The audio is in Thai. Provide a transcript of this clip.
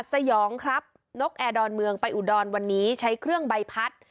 สยองครับนกแอร์ดอนเมืองไปอุดรวันนี้ใช้เครื่องใบพัด